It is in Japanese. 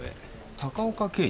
高岡刑事？